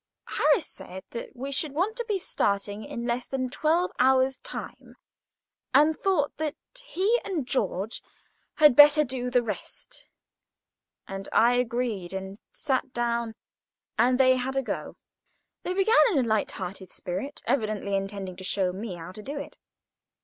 Harris said that we should be wanting to start in less than twelve hours' time, and thought that he and George had better do the rest; and I agreed and sat down, and they had a go. They began in a light hearted spirit, evidently intending to show me how to do it.